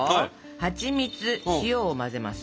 はちみつ塩を混ぜます。